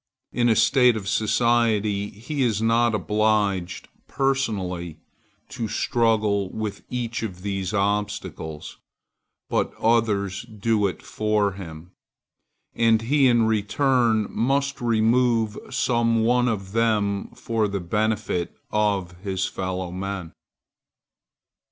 In a state of society he is not obliged, personally, to struggle with each of these obstacles, but others do it for him; and he, in return, must remove some one of them for the benefit of his fellow men.